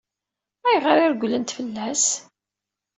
Ayɣer i regglent fell-as?